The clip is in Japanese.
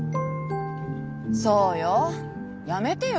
そうよやめてよ。